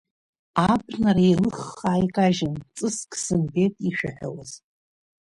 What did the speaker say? Абнара еилыххаа икажьын, ҵыск сымбеит ишәаҳәауаз.